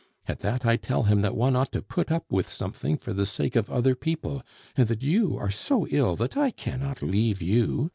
At that I tell him that one ought to put up with something for the sake of other people, and that you are so ill that I cannot leave you.